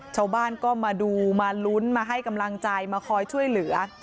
ชาวบ้านก็มาดูมาลุ้นมาให้กำลังใจมาคอยช่วยเหลือ